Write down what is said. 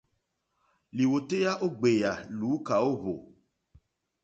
Lìwòtéyá ó gbèyà lùúkà ó hwò.